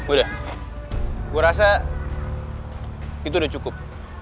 udah gue rasa itu udah cukup